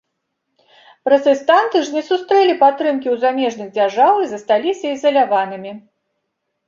Пратэстанты ж не сустрэлі падтрымкі ў замежных дзяржаў і засталіся ізаляванымі.